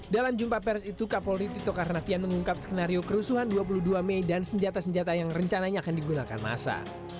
dalam jumpa pers itu kapolri tito karnavian mengungkap skenario kerusuhan dua puluh dua mei dan senjata senjata yang rencananya akan digunakan masa